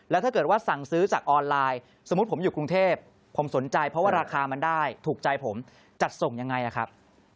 แล้วถ้าเกิดว่าสั่งซื้อจากออนไลน์สมมุติผมอยู่กรุงเทพผมสนใจเพราะว่าราคามันได้ถูกใจผมจัดส่งยังไงนะครับ